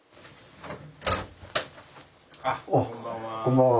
・あこんばんは。